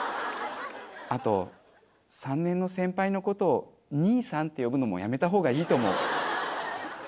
あと３年の先輩の事を「にいさん」って呼ぶのもやめた方がいいと思う。